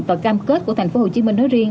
và cam kết của tp hcm nói riêng